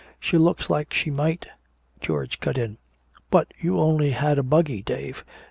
She looks like she might " George cut in. "But you only had a buggy, Dave!